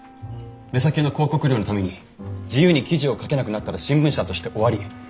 目先の広告料のために自由に記事を書けなくなったら新聞社として終わり。